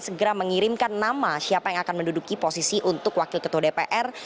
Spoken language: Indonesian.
segera mengirimkan nama siapa yang akan menduduki posisi untuk wakil ketua dpr